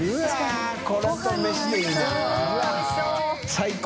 最高！